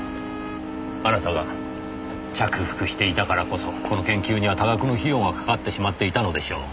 あなたが着服していたからこそこの研究には多額の費用がかかってしまっていたのでしょう。